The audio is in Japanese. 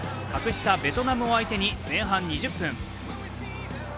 格下ベトナムを相手に前半２０分。